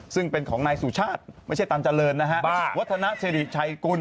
ซึ่งเป็นของนายสุชาติไม่ใช่ตันเจริญนะฮะวัฒนาสิริชัยกุล